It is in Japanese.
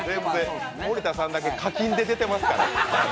森田さんだけ課金で出てますから。